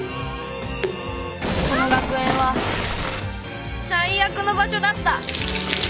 この学園は最悪の場所だった。